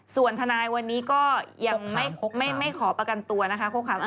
ส่วนทนายวันนี้ก็ยังไม่ขอประกันตัวนะคะ